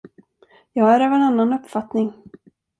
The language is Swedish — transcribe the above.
Jag är av en annan uppfattning.